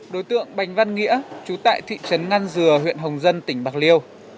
đối tượng bành văn nghĩa trú tại thị trấn ngan dừa huyện hồng dân tỉnh bạc liêu